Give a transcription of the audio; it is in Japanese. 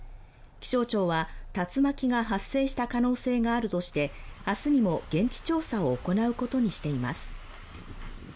気象庁は竜巻が発生した可能性があるとして、明日にも現地調査を行うことにしています。